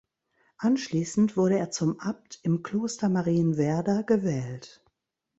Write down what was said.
Anschließend wurde er zum Abt im Kloster Marienwerder gewählt.